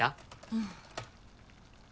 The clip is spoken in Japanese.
うん。